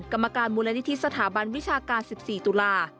กรรมการมูลนิธิสถาบันวิชาการ๑๔ตุลา